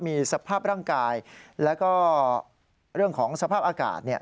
มีสภาพร่างกายแล้วก็เรื่องของสภาพอากาศเนี่ย